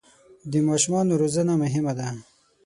د ماشومانو روزنه مهمه ده.